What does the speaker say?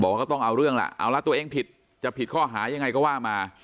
ก็ต้องเอาเรื่องล่ะเอาละตัวเองผิดจะผิดข้อหายังไงก็ว่ามา